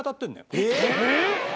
えっ！？